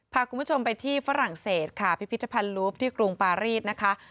พาคุณผู้ชมไปที่ฝรั่งเศสค่ะพิพิธภัณฑ์ลูฟที่กรุงปารีสนะคะ